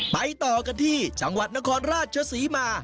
ไปต่อกันที่จังหวัดนครราชศรีมา